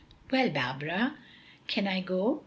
"Well, Barbara, can I go?"